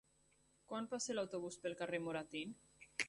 Quan passa l'autobús pel carrer Moratín?